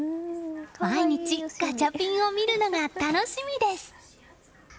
毎日、ガチャピンを見るのが楽しみです。